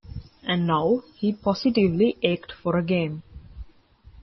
And now he positively ached for a game.